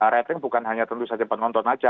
rating bukan hanya tentu saja penonton saja